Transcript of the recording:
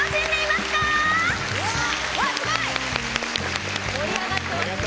すごい。